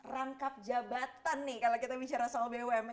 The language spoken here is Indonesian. rangkap jabatan nih kalau kita bicara soal bumn